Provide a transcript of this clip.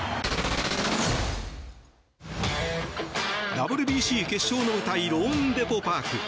ＷＢＣ決勝の舞台ローンデポ・パーク。